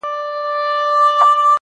که غچيدله زنده گي په هغه ورځ درځم.